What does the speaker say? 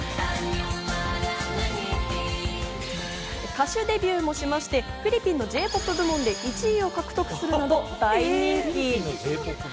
歌手デビューもしましてフィリピンのＪ−ＰＯＰ部門で１位を獲得すると大人気に。